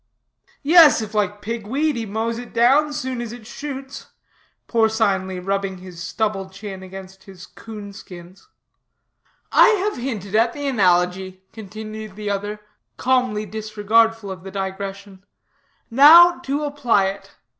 "Yes, if like pig weed he mows it down soon as it shoots," porcinely rubbing his stubble chin against his coon skins. "I have hinted at the analogy," continued the other, calmly disregardful of the digression; "now to apply it.